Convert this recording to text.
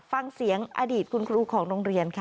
ฟังเสียงอดีตคุณครูของโรงเรียนค่ะ